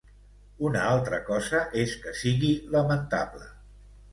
Una altra cosa és que sigui lamentable.